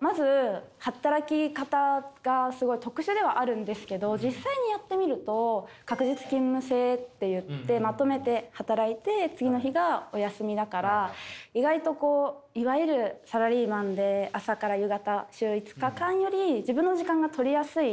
まず働き方がすごい特殊ではあるんですけど実際にやってみると隔日勤務制っていってまとめて働いて次の日がお休みだから意外といわゆるサラリーマンで朝から夕方週５日間より自分の時間がとりやすい。